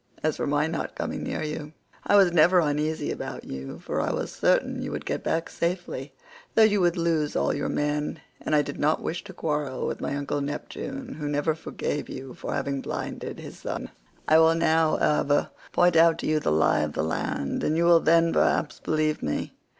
As for my not coming near you, I was never uneasy about you, for I was certain you would get back safely though you would lose all your men, and I did not wish to quarrel with my uncle Neptune, who never forgave you for having blinded his son.121 I will now, however, point out to you the lie of the land, and you will then perhaps believe me.